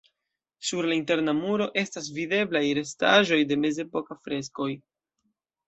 Sur la interna muro estas videblaj restaĵoj de mezepokaj freskoj.